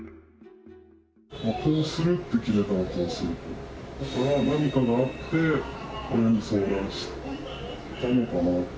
こうするって決めたらこうするし、あとは、何かがあって親に相談したのかな。